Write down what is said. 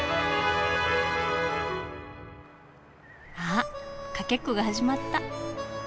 あかけっこが始まった。